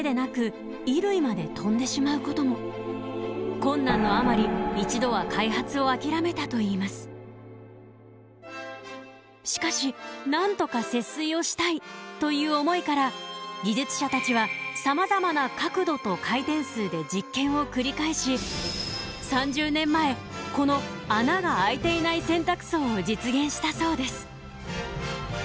困難のあまり一度はしかしなんとか節水をしたいという思いから技術者たちはさまざまな角度と回転数で実験を繰り返し３０年前この穴があいていない洗濯槽を実現したそうです。